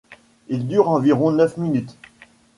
Il dure environ neuf minutes.